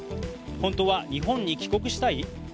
本当は日本に帰国したい？